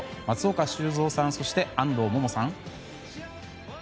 松岡修造さんそして安藤萌々さん。